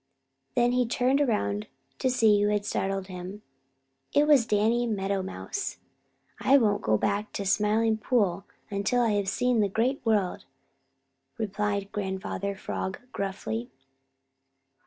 Then he turned around to see who had startled him so. It was Danny Meadow Mouse. "I won't go back to the Smiling Pool until I have seen the Great World," replied Grandfather Frog gruffly.